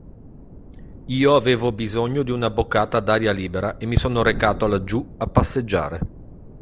Io avevo bisogno di una boccata d'aria libera e mi sono recato laggiù a passeggiare.